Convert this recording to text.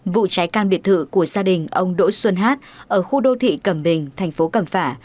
vụ cháy can biệt thự của gia đình ông đỗ xuân hát ở khu đô thị cầm bình thành phố cầm phả